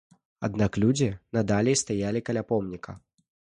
Аднак людзі надалей стаялі каля помніка.